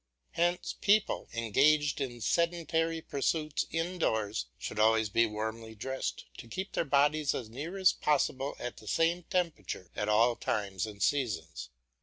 Hence people, engaged in sedentary pursuits indoors, should always be warmly dressed, to keep their bodies as nearly as possible at the same temperature at all times and seasons.